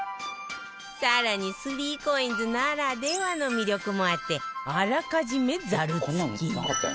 更に ３ＣＯＩＮＳ ならではの魅力もあってあらかじめザル付き